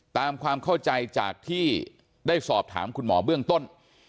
ความเข้าใจจากที่ได้สอบถามคุณหมอเบื้องต้น